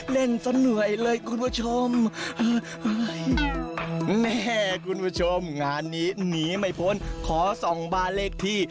เล่นซะเหนื่อยเลยคุณผู้ชมแม่คุณผู้ชมงานนี้หนีไม่พ้นขอส่องบ้านเลขที่